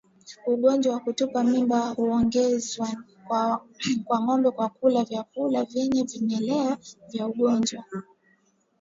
Ugonjwa wa kutupa mimba huenezwa kwa ngombe kwa kula vyakula vyenye vimelea vya ugonjwa